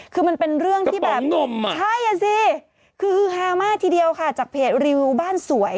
คือมันเป็นเรื่องที่แบบใช่อะสิคือแฮม่าทีเดียวค่ะจากเพจรีวิวบ้านสวย